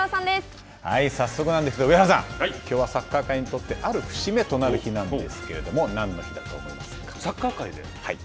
早速なんですが上原さんきょうはサッカー界にとってある節目となる日なんですけれどもサッカー界で？